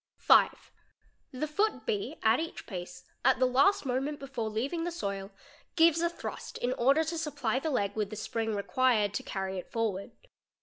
| 5. The foot B, at each pace, at the last moment before leaving th soil, gives a thrust in order to supply the leg with the spring required t carry it forward.